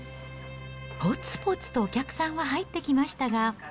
ぽつぽつとお客さんは入ってきましたが。